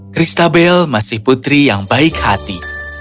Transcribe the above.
christabel masih putri yang baik hati